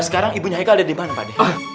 sekarang ibunya haikal ada dimana pak d